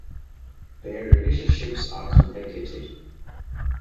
Their relationships are complicated.